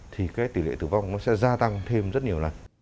thì cái tỷ lệ tử vong nó sẽ gia tăng thêm rất nhiều lần